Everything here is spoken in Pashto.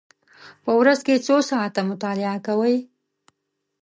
په ورځ کې څو ساعته مطالعه کوئ؟